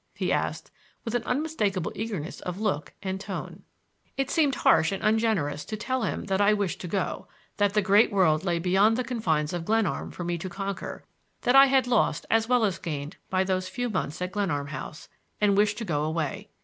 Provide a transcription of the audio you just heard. he asked with an unmistakable eagerness of look and tone. It seemed harsh and ungenerous to tell him that I wished to go; that the great world lay beyond the confines of Glenarm for me to conquer; that I had lost as well as gained by those few months at Glenarm House, and wished to go away.